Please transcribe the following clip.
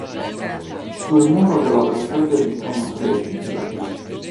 Sul muro che la precede vi sono tre epigrafi.